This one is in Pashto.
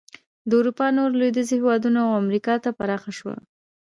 د اروپا نورو لوېدیځو هېوادونو او امریکا ته پراخه شوه.